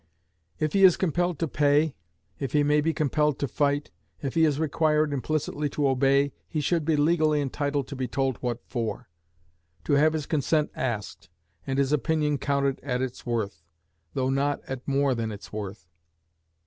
If he is compelled to pay, if he may be compelled to fight, if he is required implicitly to obey, he should be legally entitled to be told what for; to have his consent asked, and his opinion counted at its worth, though not at more than its worth.